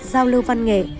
giao lưu văn nghệ